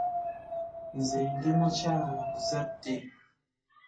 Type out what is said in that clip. Nze ndi mukyala muzadde.